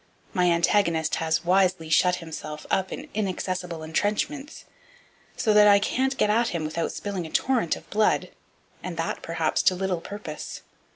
My antagonist has wisely shut himself up in inaccessible entrenchments, so that I can't get at him without spilling a torrent of blood, and that perhaps to little purpose.